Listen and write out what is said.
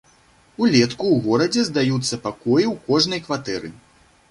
Улетку ў горадзе здаюцца пакоі ў кожнай кватэры.